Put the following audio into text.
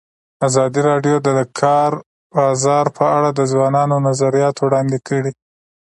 ازادي راډیو د د کار بازار په اړه د ځوانانو نظریات وړاندې کړي.